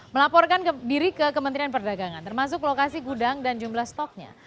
melaporkan diri ke kementerian perdagangan termasuk lokasi gudang dan jumlah stoknya